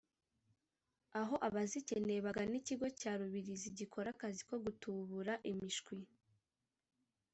aho abazikeneye bagana ikigo cya Rubirizi gikora akazi ko gutubura imishwi